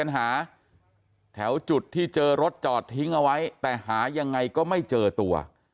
หายังไงก็ไม่เจอตัว